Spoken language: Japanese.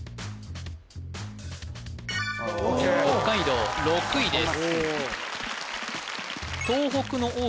北海道６位です